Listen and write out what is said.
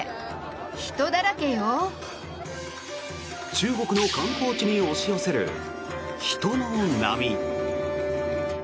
中国の観光地に押し寄せる人の波。